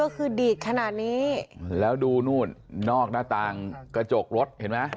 ก็คือดีดขนาดนี้แล้วดูนู่นนอกหน้าต่างกระจกรถเห็นไหม